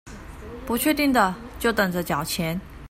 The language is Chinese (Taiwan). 不確定的就等著繳錢